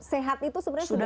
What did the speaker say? sehat itu sebenarnya sudah